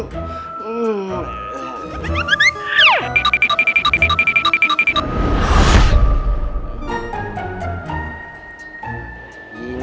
om jin dan jun